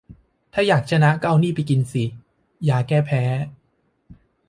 ถ้าอยากชนะก็เอานี่ไปกินสิ "ยาแก้แพ้"